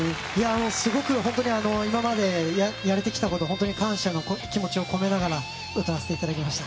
すごく本当にいままでやれてきたことに本当に感謝の気持ちを込めながら歌わせていただきました。